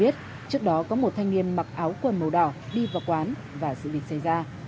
trước đó có một thanh niên mặc áo quần màu đỏ đi vào quán và xử lý xây ra